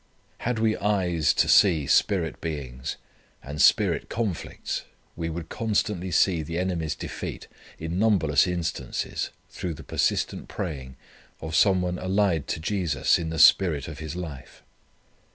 Had we eyes to see spirit beings and spirit conflicts we would constantly see the enemy's defeat in numberless instances through the persistent praying of some one allied to Jesus in the spirit of his life.